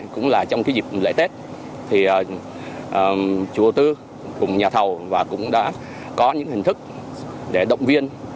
cũng là trong dịp lễ tết thì chủ đầu tư cùng nhà thầu và cũng đã có những hình thức để động viên